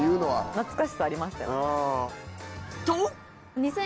懐かしさありましたよね。と！